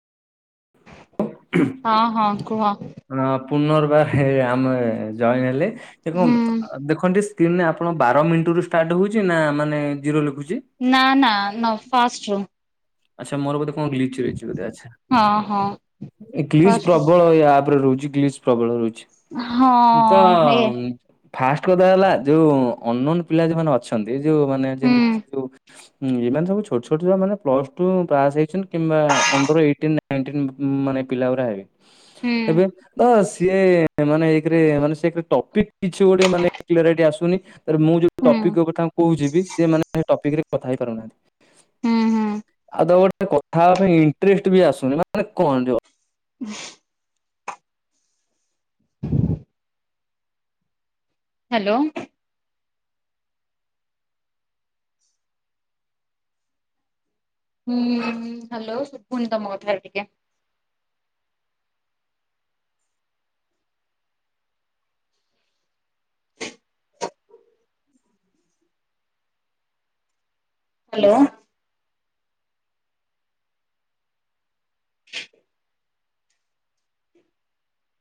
ହଁ ହଁ କୁହ। ନ ପୁନର୍ବାରେ ହେ ଆମେ ଜଇନ୍ ହେଲେ କିକୁ ହୁଁ ଆ ଦେଖନ୍ ଟିସ୍ କିନରେ ଆପଣ ବାର ମିଣ୍ଟିରୁୁ ଷ୍ଟାର୍ଟ ହୋଉଛି ନା ମାନେ ଜିରୋ ଲେଖୁଚି? ନାଁ ନାଁ ନ ଫାଷ୍ଟରୁ। ଆଚ୍ଛା ମୋର ବୋଧେ କଣ ଗ୍ଲିଚ ରହିଚି ବୋଧେ ଆଚ୍ଛା। ହଁ ହଁ ଏ ଗ୍ଲିଶ ଫାଷ୍ଟ ପ୍ରବଳ ଏ ଆପରେ ରହୁଚି ଗ୍ଲିଶ ପ୍ରବଳ ରହୁଚି। ମୁଁ ତ ହଁ ଏ ଉଁ ଫାଷ୍ଟ କଥା ହେଲା ଯୋଉ ଅନୋନ ପିଲା ଯୋଉମାନେ ଅଛନ୍ତି ଯୋଉ ମାନେ ହୁଁ ଯେମିତି କି ସେ ଯୋଉ ହୁଁ ଯୋଉମାନେ ସବୁ ଛୋଟ ଛୋଟ ପିଲା ମାନେ ପ୍ଲସ ଟୁ ପାସ୍ ହେଇଚନ୍ତି କିମ୍ବା ଅଣ୍ଡର ଏଇଟିନ ନାଇନଟିନ ଉଁ ପିଲା ଗୁରା ହେବେ। ହୁଁ ଏବେ ତ ସିଏ ମାନେ ଏକରେ ମାନେ ସେ ଟପିକ କିଛି ଗୋଟେ ମାନେ [unintelligible] ଆସୁନି। ତାପରେ ମୁଁ ଯୋଉ ହୁଁ ଟପିକ୍ କଥା କହୁଛିି ବି ସେମାନେ ସେ ଟପିକ୍ ରେ କଥା ହେଇପାରୁନାହାନ୍ତି। ହୁଁ ହୁଁ। ଆଉ ତ ଗୋଟେ କଥା ପାଇଁ ଇଣ୍ଟରେଷ୍ଟ ବି ଆସୁନି ମାନେ କଣ ଯିବ। ହ୍ୟାଲୋ। ହୁଁ ହ୍ୟାଲୋ ପୁଣି ତମ କଥାରେ ଟିକେ ହ୍ୟାଲୋ।